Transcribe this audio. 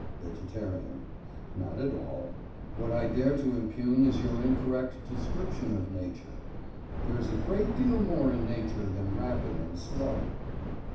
VEGETARIAN: Not at all. What I dare to impugn is your incorrect description of Nature. There is a great deal more in Nature than rapine and slaughter.